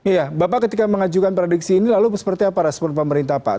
iya bapak ketika mengajukan prediksi ini lalu seperti apa respon pemerintah pak